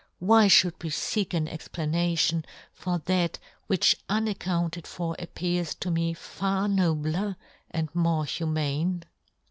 Why fhould we feek an ex planation for that which unaccounted for appears to me far nobler and more humane